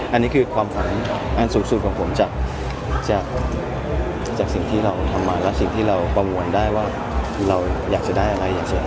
อันนี้คือความฝันอันสูงสุดของผมจากสิ่งที่เราทำมาและสิ่งที่เราประมวลได้ว่าเราอยากจะได้อะไรอยากจะ